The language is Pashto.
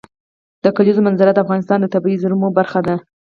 د کلیزو منظره د افغانستان د طبیعي زیرمو برخه ده.